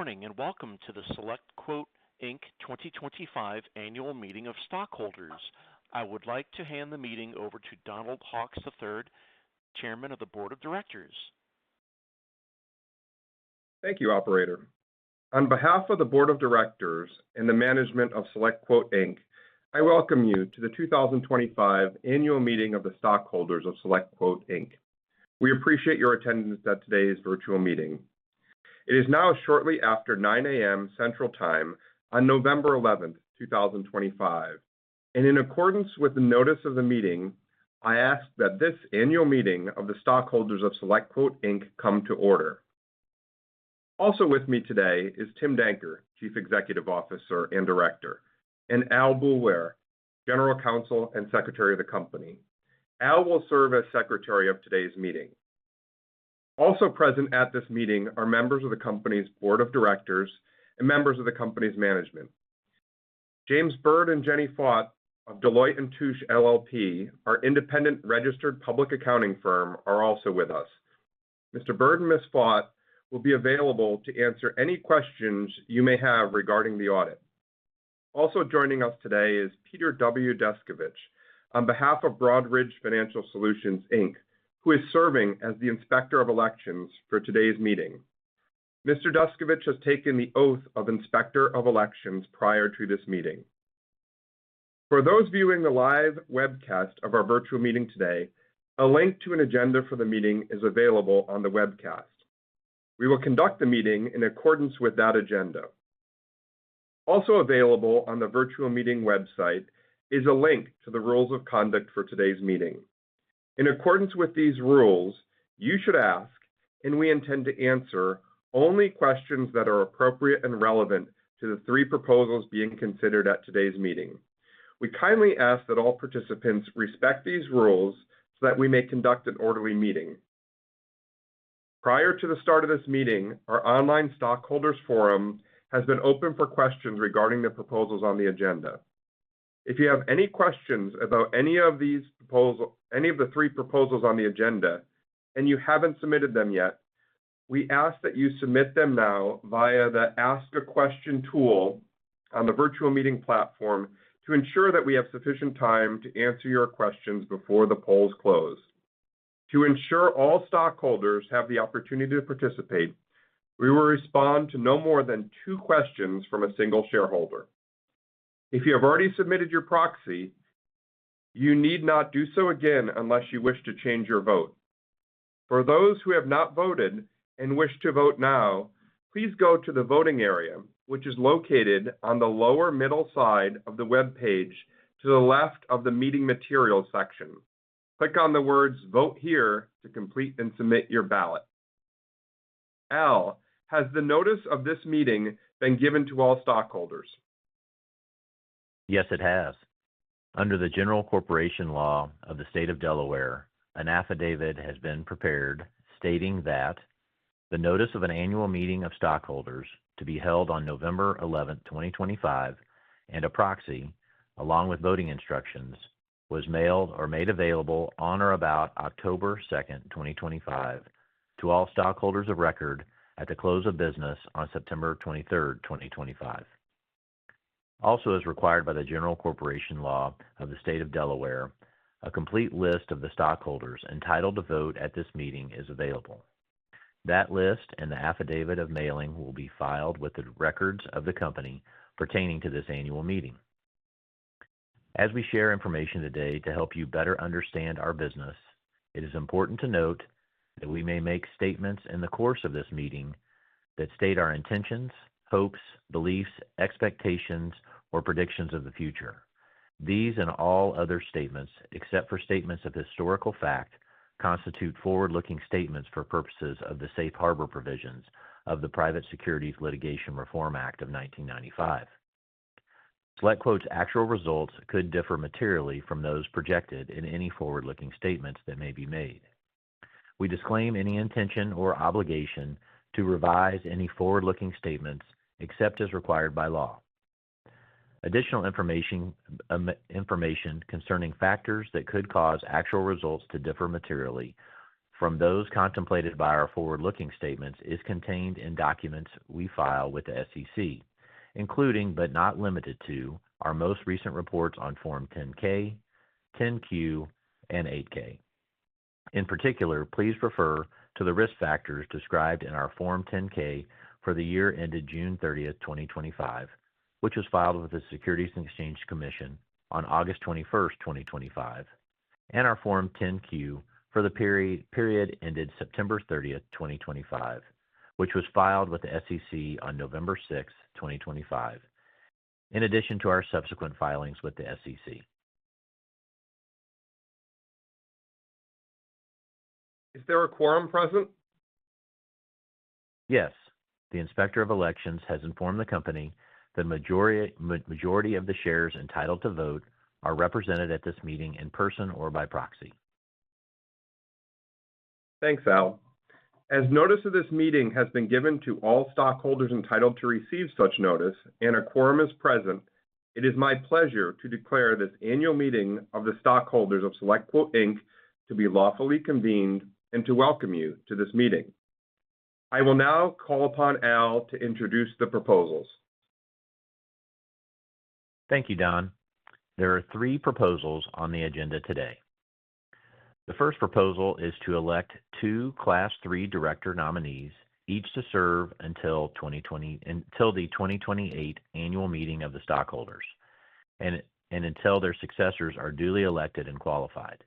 Good morning and welcome to the SelectQuote Inc. 2025 Annual Meeting of Stockholders. I would like to hand the meeting over to Donald Hawks III, Chairman of the Board of Directors. Thank you, Operator. On behalf of the Board of Directors and the management of SelectQuote Inc., I welcome you to the 2025 Annual Meeting of the Stockholders of SelectQuote Inc. We appreciate your attendance at today's virtual meeting. It is now shortly after 9:00 A.M. Central Time on November 11, 2025, and in accordance with the notice of the meeting, I ask that this Annual Meeting of the Stockholders of SelectQuote Inc. come to order. Also with me today is Tim Danker, Chief Executive Officer and Director, and Al Boulware, General Counsel and Secretary of the Company. Al will serve as Secretary of today's meeting. Also present at this meeting are members of the Company's Board of Directors and members of the Company's management. James Byrd and Jenny Fott of Deloitte & Touche LLP, our independent registered public accounting firm, are also with us. Mr. Byrd and Ms. Fott will be available to answer any questions you may have regarding the audit. Also joining us today is Peter W. Descovich on behalf of Broadridge Financial Solutions Inc., who is serving as the Inspector of Elections for today's meeting. Mr. Descovich has taken the oath of Inspector of Elections prior to this meeting. For those viewing the live webcast of our virtual meeting today, a link to an agenda for the meeting is available on the webcast. We will conduct the meeting in accordance with that agenda. Also available on the virtual meeting website is a link to the rules of conduct for today's meeting. In accordance with these rules, you should ask, and we intend to answer, only questions that are appropriate and relevant to the three proposals being considered at today's meeting. We kindly ask that all participants respect these rules so that we may conduct an orderly meeting. Prior to the start of this meeting, our Online Stockholders Forum has been open for questions regarding the proposals on the agenda. If you have any questions about any of these proposals, any of the three proposals on the agenda, and you haven't submitted them yet, we ask that you submit them now via the Ask a Question tool on the virtual meeting platform to ensure that we have sufficient time to answer your questions before the polls close. To ensure all stockholders have the opportunity to participate, we will respond to no more than two questions from a single shareholder. If you have already submitted your proxy, you need not do so again unless you wish to change your vote. For those who have not voted and wish to vote now, please go to the voting area, which is located on the lower middle side of the web page to the left of the Meeting Materials section. Click on the words "Vote Here" to complete and submit your ballot. Al, has the notice of this meeting been given to all stockholders? Yes, it has. Under the General Corporation Law of the State of Delaware, an affidavit has been prepared stating that the notice of an annual meeting of stockholders to be held on November 11, 2025, and a proxy, along with voting instructions, was mailed or made available on or about October 2, 2025, to all stockholders of record at the close of business on September 23, 2025. Also, as required by the General Corporation Law of the State of Delaware, a complete list of the stockholders entitled to vote at this meeting is available. That list and the affidavit of mailing will be filed with the records of the Company pertaining to this annual meeting. As we share information today to help you better understand our business, it is important to note that we may make statements in the course of this meeting that state our intentions, hopes, beliefs, expectations, or predictions of the future. These and all other statements, except for statements of historical fact, constitute forward-looking statements for purposes of the Safe Harbor Provisions of the Private Securities Litigation Reform Act of 1995. SelectQuote's actual results could differ materially from those projected in any forward-looking statements that may be made. We disclaim any intention or obligation to revise any forward-looking statements except as required by law. Additional information concerning factors that could cause actual results to differ materially from those contemplated by our forward-looking statements is contained in documents we file with the SEC, including but not limited to our most recent reports on Form 10-K, 10-Q, and 8-K. In particular, please refer to the risk factors described in our Form 10-K for the year ended June 30, 2025, which was filed with the Securities and Exchange Commission on August 21, 2025, and our Form 10-Q for the period ended September 30, 2025, which was filed with the SEC on November 6, 2025, in addition to our subsequent filings with the SEC. Is there a quorum present? Yes. The Inspector of Elections has informed the Company that the majority of the shares entitled to vote are represented at this meeting in person or by proxy. Thanks, Al. As notice of this meeting has been given to all stockholders entitled to receive such notice and a quorum is present, it is my pleasure to declare this Annual Meeting of the Stockholders of SelectQuote Inc. to be lawfully convened and to welcome you to this meeting. I will now call upon Al to introduce the proposals. Thank you, Don. There are three proposals on the agenda today. The first proposal is to elect two Class III Director nominees, each to serve until the 2028 Annual Meeting of the Stockholders and until their successors are duly elected and qualified,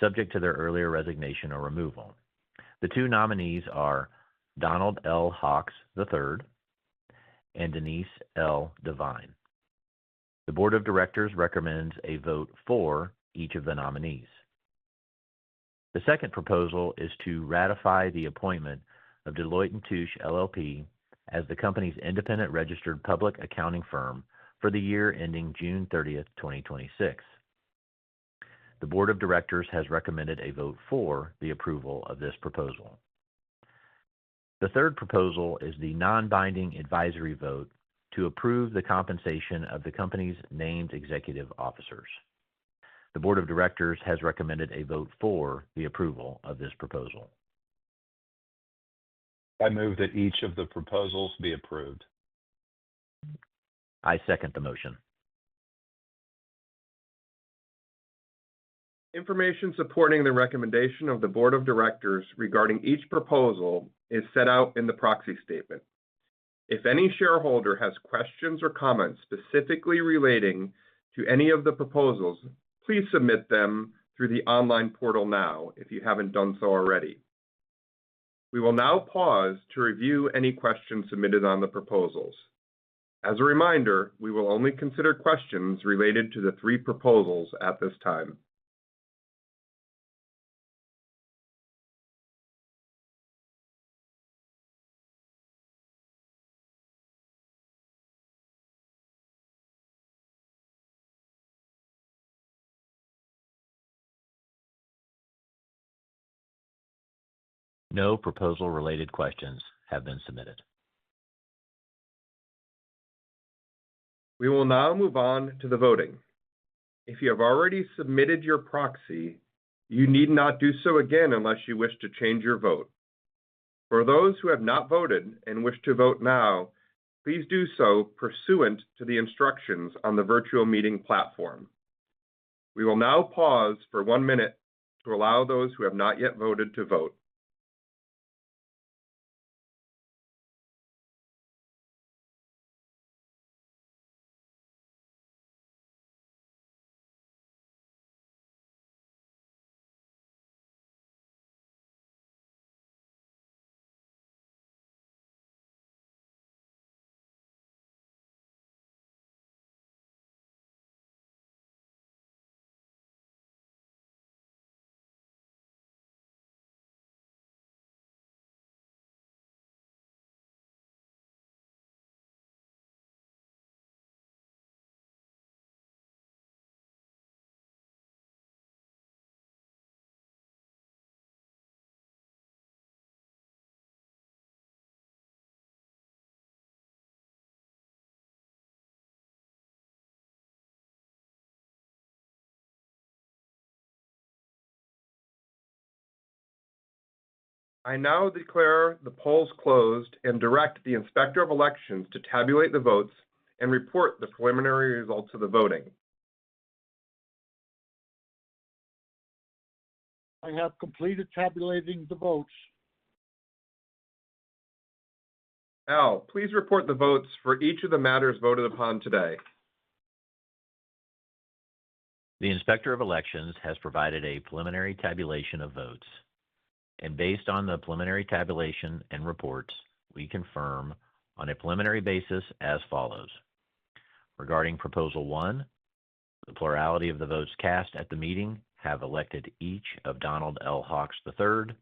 subject to their earlier resignation or removal. The two nominees are Donald L. Hawks III and Denise L. Devine. The Board of Directors recommends a vote for each of the nominees. The second proposal is to ratify the appointment of Deloitte & Touche LLP as the Company's independent registered public accounting firm for the year ending June 30, 2026. The Board of Directors has recommended a vote for the approval of this proposal. The third proposal is the non-binding advisory vote to approve the compensation of the Company's named executive officers. The Board of Directors has recommended a vote for the approval of this proposal. I move that each of the proposals be approved. I second the motion. Information supporting the recommendation of the Board of Directors regarding each proposal is set out in the Proxy statement. If any shareholder has questions or comments specifically relating to any of the proposals, please submit them through the online portal now if you haven't done so already. We will now pause to review any questions submitted on the proposals. As a reminder, we will only consider questions related to the three proposals at this time. No proposal-related questions have been submitted. We will now move on to the voting. If you have already submitted your proxy, you need not do so again unless you wish to change your vote. For those who have not voted and wish to vote now, please do so pursuant to the instructions on the virtual meeting platform. We will now pause for one minute to allow those who have not yet voted to vote. I now declare the polls closed and direct the Inspector of Elections to tabulate the votes and report the preliminary results of the voting. I have completed tabulating the votes. Al, please report the votes for each of the matters voted upon today. The Inspector of Elections has provided a preliminary tabulation of votes, and based on the preliminary tabulation and reports, we confirm on a preliminary basis as follows. Regarding Proposal 1, the plurality of the votes cast at the meeting have elected each of Donald L. Hawks III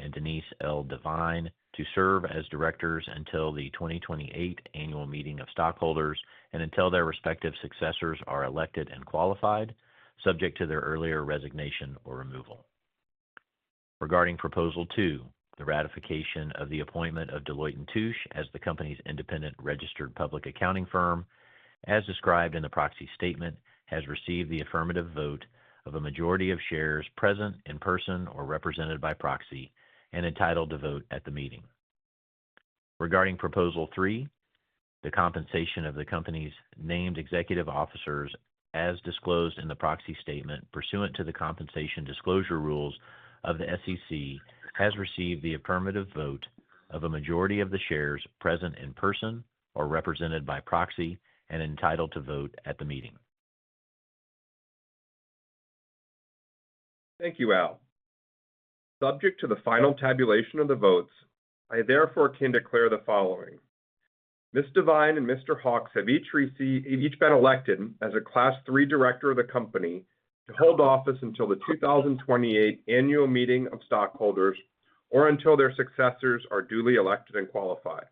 and Denise L. Devine to serve as Directors until the 2028 Annual Meeting of Stockholders and until their respective successors are elected and qualified, subject to their earlier resignation or removal. Regarding Proposal 2, the ratification of the appointment of Deloitte & Touche as the Company's independent registered public accounting firm, as described in the proxy statement, has received the affirmative vote of a majority of shares present in person or represented by proxy and entitled to vote at the meeting. Regarding Proposal 3, the compensation of the Company's named Executive Officers as disclosed in the proxy statement pursuant to the compensation disclosure rules of the SEC has received the affirmative vote of a majority of the shares present in person or represented by proxy and entitled to vote at the meeting. Thank you, Al. Subject to the final tabulation of the votes, I therefore can declare the following: Ms. Devine and Mr. Hawks have each been elected as a Class III Director of the Company to hold office until the 2028 Annual Meeting of Stockholders or until their successors are duly elected and qualified.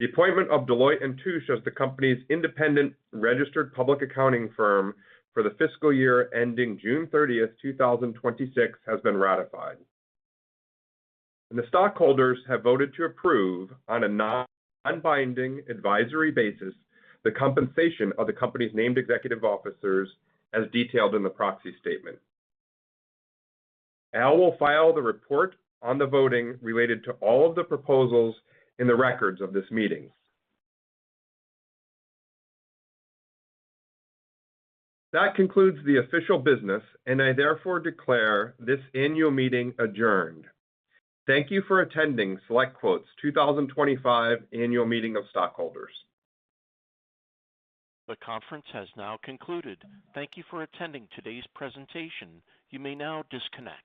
The appointment of Deloitte & Touche as the Company's independent registered public accounting firm for the fiscal year ending June 30, 2026, has been ratified, and the stockholders have voted to approve on a non-binding advisory basis the compensation of the Company's named executive officers as detailed in the proxy statement. Al will file the report on the voting related to all of the proposals in the records of this meeting. That concludes the official business, and I therefore declare this Annual Meeting adjourned. Thank you for attending SelectQuote's 2025 Annual Meeting of Stockholders. The conference has now concluded. Thank you for attending today's presentation. You may now disconnect.